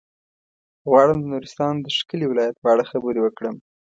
غواړم د نورستان د ښکلي ولايت په اړه خبرې وکړم.